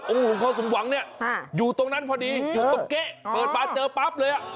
หลวงพ่อสมหวังเนี่ยอยู่ตรงนั้นพอดีอยู่ตรงเก๊ะเปิดมาเจอปั๊บเลยอ่ะ